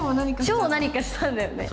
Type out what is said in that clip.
書を何かしたんだよね。